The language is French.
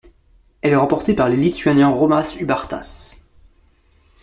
Elle est remportée par le Lituanien Romas Ubartas.